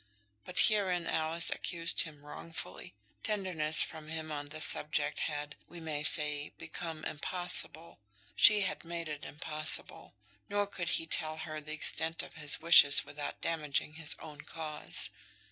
But herein Alice accused him wrongfully. Tenderness from him on this subject had, we may say, become impossible. She had made it impossible. Nor could he tell her the extent of his wishes without damaging his own cause.